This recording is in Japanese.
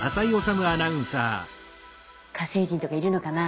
「火星人とかいるのかなあ」